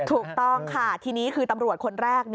ถูกต้องค่ะทีนี้คือตำรวจคนแรก